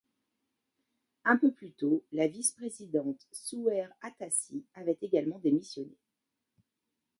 Un peu plus tôt, la vice-présidente Suheir Atassi avait également démissionné.